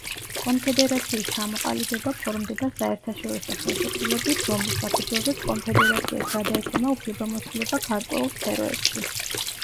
კონფედერაციის ჩამოყალიბება ფორმდება საერთაშორისო ხელშეკრულებით, რომლის საფუძველზეც კონფედერაციას გადაეცემა უფლებამოსილება გარკვეულ სფეროებში.